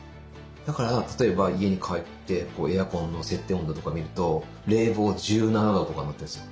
だから例えば家に帰ってエアコンの設定温度とか見ると冷房１７度とかになってるんですよ。